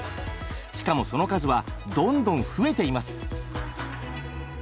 しかもその数はどんどん増えています。